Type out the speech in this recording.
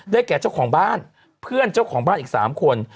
แก่เจ้าของบ้านเพื่อนเจ้าของบ้านอีก๓คน